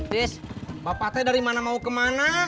tris bapak teh dari mana mau kemana